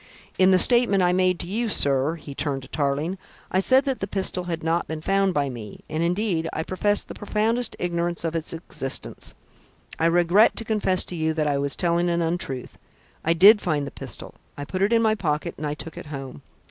"In the statement I made to you, sir," he turned to Tarling, "I said that that pistol had not been found by me; and indeed, I professed the profoundest ignorance of its existence. I regret to confess to you that I was telling an untruth. I did find the pistol; I put it in my pocket and I took it home.